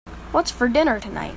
What's for dinner tonight?